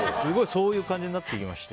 そういう感じになってきまして。